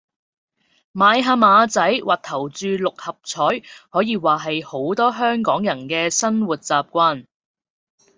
買下馬仔或投注六合彩可以話係好多香港人的生活習慣